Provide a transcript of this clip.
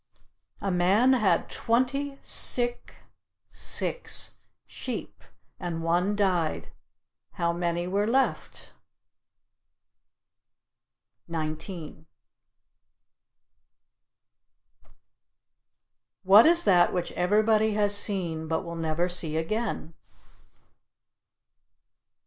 A man had twenty sick (six) sheep, and one died; how many were left? 19. What is that which everybody has seen but will never see again?